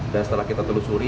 dan setelah kita telusuri